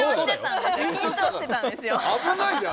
緊張してたんですよ！